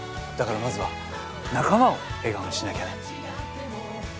だからまずは仲間を笑顔にしなきゃね。